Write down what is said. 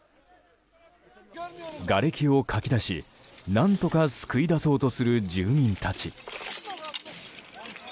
がれきをかき出し、何とか救い出そうとする住民たち。